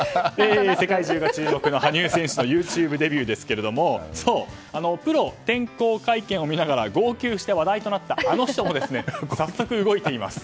世界中が注目の羽生選手のＹｏｕＴｕｂｅデビューですがプロ転向会見を見ながら号泣して話題となったあの人も早速動いています。